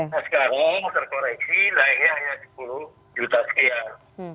nah sekarang terkoreksi naiknya hanya sepuluh juta sekian